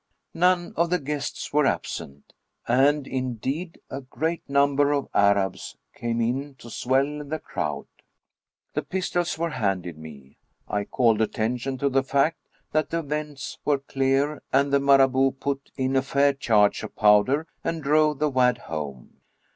None of the guests were absent, and, indeed, a great number of Arabs came in to swell the crowd. The pistols were handed me; I called attention to the fact that the vents were clear, and the Marabout put in a fair charge of powder and drove the wad home.